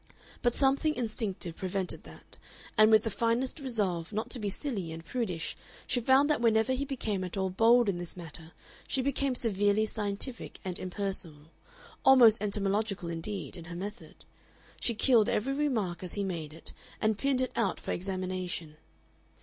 But something instinctive prevented that, and with the finest resolve not to be "silly" and prudish she found that whenever he became at all bold in this matter she became severely scientific and impersonal, almost entomological indeed, in her method; she killed every remark as he made it and pinned it out for examination.